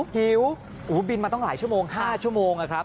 หิวบินมาต้องหลายชั่วโมง๕ชั่วโมง